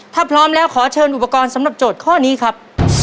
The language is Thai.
ถ้าพร้อมแล้วขอเชิญอุปกรณ์สำหรับโจทย์ข้อนี้ครับ